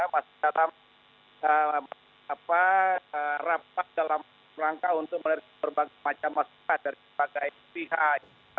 masih dalam rapat dalam rangka untuk menerima berbagai macam masukan dari berbagai pihak